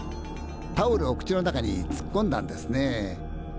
タオルを口の中につっこんだんですねえ。